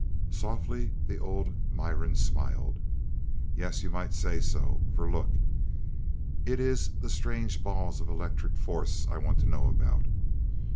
Softly the old Miran smiled. "Yes, you might say so. For look, it is the strange balls of electric force I want to know about.